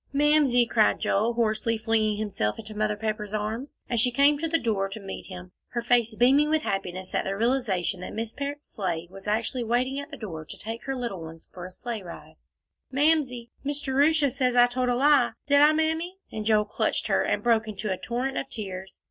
"Mamsie!" cried Joel, hoarsely, flinging himself into Mother Pepper's arms, as she came to the door to meet him, her face beaming with happiness at the realization that Miss Parrott's sleigh actually was waiting at the door to take her little ones for a sleigh ride, "Mamsie! Miss Jerusha says I told a lie. Did I, Mammy?" and Joel clutched her and broke into a torrent of tears.